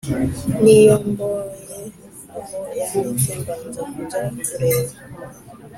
Niyo mboye aho yanitse mbanza kujya kureba